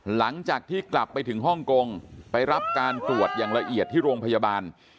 หลังจากที่กลับไปถึงฮ่องกงไปรับการตรวจอย่างละเอียดที่โรงพยาบาล